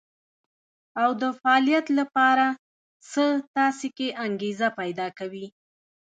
او د فعاليت لپاره څه تاسې کې انګېزه پيدا کوي.